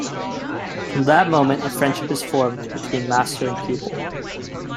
From that moment a friendship is formed between master and pupil.